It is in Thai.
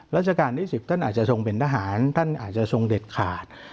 ราชการที่๑๐ท่านอาจจะทรงเป็นทหารท่านอาจจะทรงเด็ดขาด